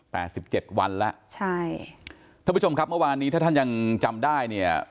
สิบเจ็ดวันแล้วใช่ท่านผู้ชมครับเมื่อวานนี้ถ้าท่านยังจำได้เนี่ย